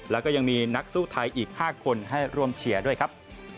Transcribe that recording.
แล้วก็ยังมีนักสู้ไทยอีก๕คนให้ร่วมเชียร์ด้วยครับ